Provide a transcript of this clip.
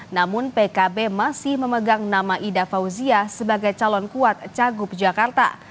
namun pkb masih memegang nama ida fauzia sebagai calon kuat cagup jakarta